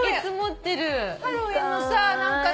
ハロウィーンのさ何かさ。